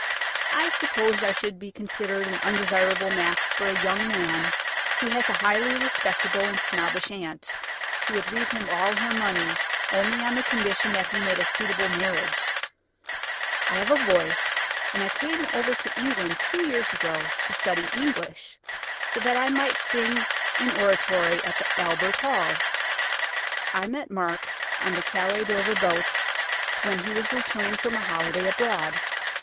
I suppose I should be considered an undesirable match for a young man who has a highly respectable and snobbish aunt, who would leave him all her money only on the condition that he made a suitable marriage. I have a voice, and I came over to England two years ago to study English, so that I might sing in oratorio at the Albert Hall. I met Mark on the Calais Dover boat, when he was returning from a holiday abroad.